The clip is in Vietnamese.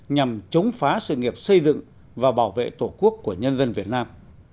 nhằm chống phá sự nghiệp xây dựng và bảo vệ tổ quốc của nhân dân việt nam